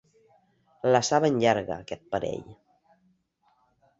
La saben llarga, aquest parell.